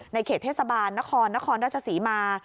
เขตเทศบาลนครนครราชศรีมา